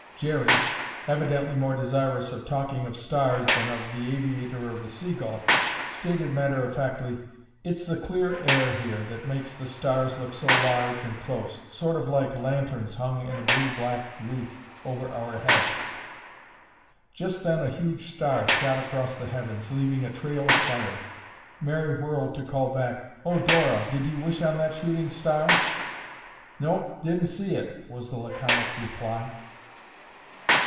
Jerry, evidently more desirous of talking of stars than of the aviator of the "Seagull," stated matter of factly, "It's the clear air here that makes the stars look so large and close—sort of like lanterns hung in a blue black roof over our heads." Just then a huge star shot across the heavens leaving a trail of fire. Mary whirled to call back, "Oh, Dora, did you wish on that shooting star?" "Nope! Didn't see it!" was the laconic reply.